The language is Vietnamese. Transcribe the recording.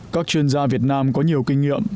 các chuyên gia việt nam có nhiều kinh nghiệm